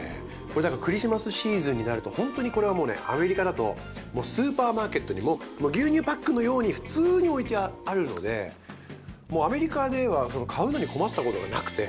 これクリスマスシーズンになるとほんとにこれはもうねアメリカだとスーパーマーケットにも牛乳パックのように普通に置いてあるのでもうアメリカでは買うのに困ったことがなくて。